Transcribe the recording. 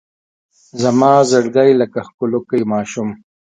زما زړګی لکه ښکلوکی ماشوم